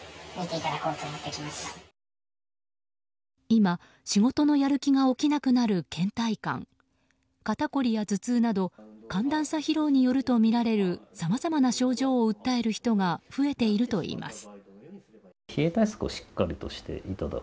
今、仕事のやる気が起きなくなる倦怠感肩こりや頭痛など寒暖差疲労によるとみられるさまざまな症状を訴える人が増えているといいます。